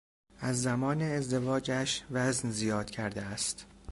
از زمان ازدواجش وزن زیاد کرده است.